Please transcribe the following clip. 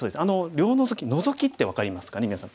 両ノゾキノゾキって分かりますかねみなさん。